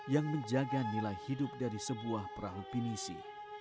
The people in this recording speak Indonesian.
yang menjaga nilai hidup dari sebuah perahu pinisi